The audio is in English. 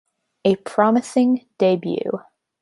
A promising debut.